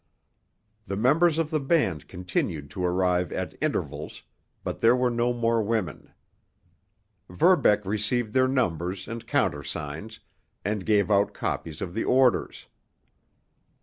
The members of the band continued to arrive at intervals, but there were no more women. Verbeck received their numbers and countersigns, and gave out copies of the orders.